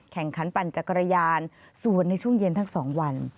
แข่งขันปั่นจักรยานส่วนในช่วงเย็นทั้ง๒วัน